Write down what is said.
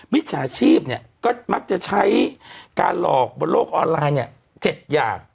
มิจฉาชีพก็มักจะใช้การหลอกบนโลกออนไลน์๗อย่าง